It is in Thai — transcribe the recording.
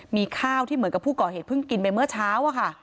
มีข้าวที่เหมือนกับผู้ก่อเหตุเพิ่งกินไปเมื่อเช้าอะค่ะ